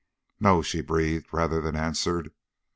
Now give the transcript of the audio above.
"No," she breathed rather than answered.